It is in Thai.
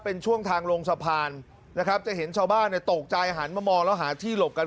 เป็นช่วงทางลงสะพานนะครับจะเห็นชาวบ้านเนี่ยตกใจหันมามองแล้วหาที่หลบกัน